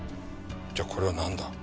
じゃあこれはなんだ？